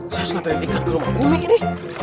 saya suka terin ikan kerumah bumi ini